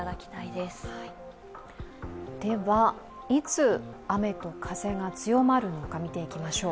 では、いつ雨と風が強まるのか見ていきましょう。